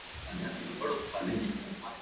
زه پرون د تکړښت لپاره ولاړم؟!